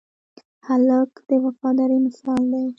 هلک د وفادارۍ مثال دی.